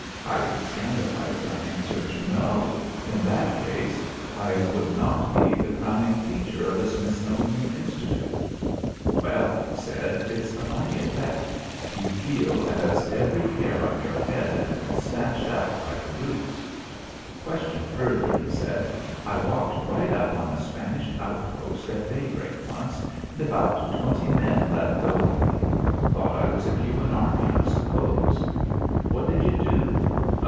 Highly scandalised I answered, "No; in that case, I would not be the crowning feature of the Smithsonian Institute." "Well," he said, "it's a funny effect. You feel as every hair on your head had been snatched out by the roots." Questioned further he said, "I walked right up on a Spanish outpost at daybreak once, and about twenty men let go at me. Thought I was a Cuban army, I suppose." "What did you do?"